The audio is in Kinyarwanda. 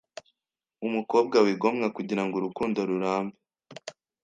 Umukobwa wigomwa kugira ngo urukundo rurambe